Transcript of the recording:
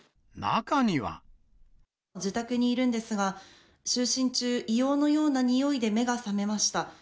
自宅にいるんですが、就寝中、硫黄のようなにおいで目が覚めました。